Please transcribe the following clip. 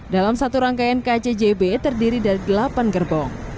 dalam satu rangkaian kjjb terdiri dari delapan gerbong